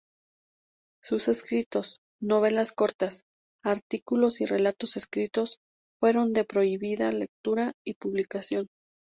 Sus escritos, novelas cortas, artículos y relatos escritos fueron de prohibida lectura y publicación.